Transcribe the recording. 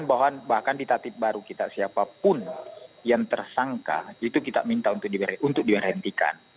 bahkan di tatip baru kita siapapun yang tersangka itu kita minta untuk diberhentikan